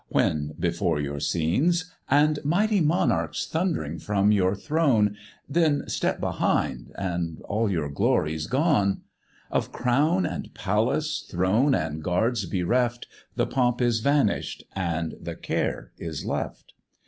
when before your scenes, And mighty monarchs thund'ring from your throne; Then step behind, and all your glory's gone: Of crown and palace, throne and guards bereft, The pomp is vanish'd and the care is left.